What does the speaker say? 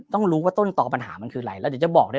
ต้องรู้ว่าต้นต่อปัญหามันคืออะไรแล้วเดี๋ยวจะบอกด้วย